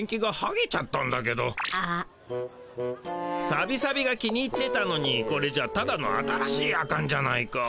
サビサビが気に入ってたのにこれじゃただの新しいヤカンじゃないか。